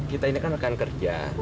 kita ini kan rekan kerja